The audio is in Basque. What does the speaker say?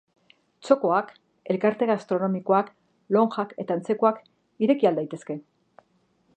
Txokoak, elkarte gastronomikoak, lonjak eta antzekoak ireki al daitezke?